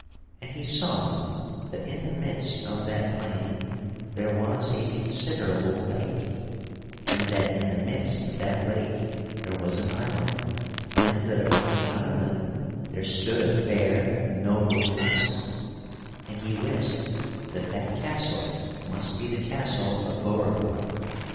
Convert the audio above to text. And he saw that in the midst of that plain there was a considerable lake, and that in the midst of that lake there was an island, and that upon the island there stood a fair noble castle, and he wist that that castle must be the castle of Beaurepaire.